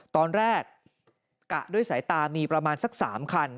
ตอนแรกกะด้วยสายตามีประมาณสัก๓คัน